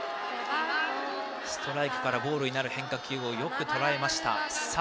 ストライクからボールになる変化球をよくとらえました。